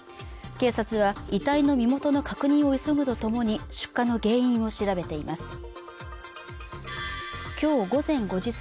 警察は遺体の身元の確認を急ぐとともに出火の原因を調べています